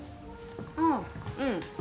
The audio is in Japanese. ああうん。